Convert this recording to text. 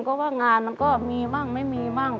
ก็ว่างานมันก็มีบ้างไม่มีบ้าง